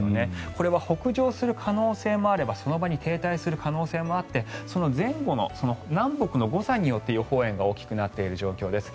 これは北上する可能性もあればその場に停滞する可能性もあってその前後の南北の誤差によって予報円が大きくなっている状況です。